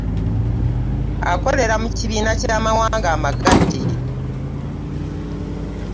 Akolera mu kibiina ky'amawanga amagatte.